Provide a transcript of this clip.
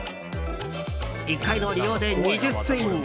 １回の利用で２０スイング。